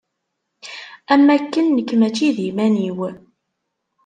Am wakken nekk mačči d iman-iw.